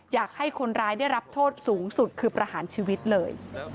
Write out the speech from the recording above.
อยากให้คนร้ายได้รับโทษสูงสุดคือประหารชีวิตเลย